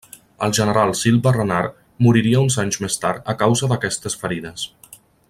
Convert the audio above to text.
El general Silva Renard moriria uns anys més tard a causa d'aquestes ferides.